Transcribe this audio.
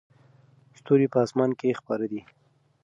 ستوري په اسمان کې خپاره دي.